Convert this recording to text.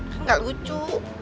kan gak lucu